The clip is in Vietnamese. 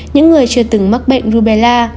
những người chưa từng mắc bệnh rubella